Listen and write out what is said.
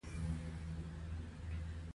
پاتې پنځه ویشت میلیونه یې متغیره پانګه جوړوي